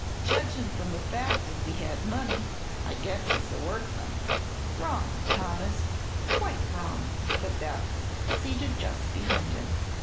Jedgin' from the fact as he had money I guess he's a workman." "Wrong, Thomas, quite wrong," said Beth, seated just behind him.